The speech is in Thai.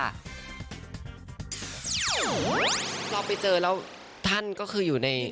เราไปเจอแล้วท่านก็คืออยู่ใน